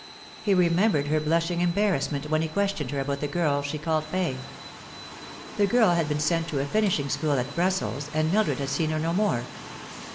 He remembered her blushing embarrass ment when he questioned her about the girl she called Fay. The girl had been sent to a finishing school at Brussels, and Mildred had seen her no more.